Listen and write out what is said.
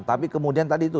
tapi kemudian tadi itu